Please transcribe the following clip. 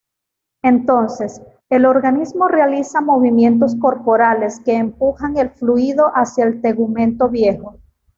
Entonces, el organismo realiza movimientos corporales que empujan el fluido hacia el tegumento viejo.